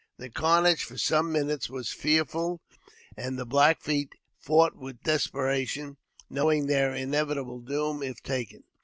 The carnage for some minutes was fearful, and the Black Feet fought with desperation, knowing their inevitable doom if taken.